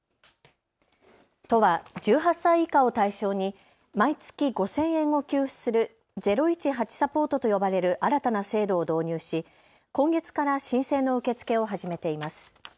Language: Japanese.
都は１８歳以下を対象に毎月５０００円を給付する０１８サポートと呼ばれる新たな制度を導入し今月から申請の受け付けを始めています。